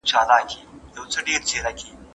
که دا مېنه د ميړونو د جرګو وه